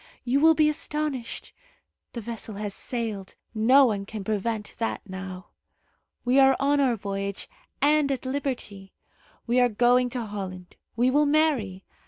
You will be astonished. The vessel has sailed. No one can prevent that now. We are on our voyage, and at liberty. We are going to Holland. We will marry.